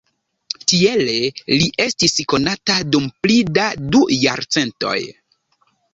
Tiele li estis konata dum pli da du jarcentoj.